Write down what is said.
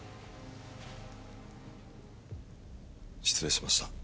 失礼しました。